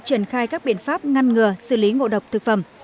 triển khai các biện pháp ngăn ngừa xử lý ngộ độc thực phẩm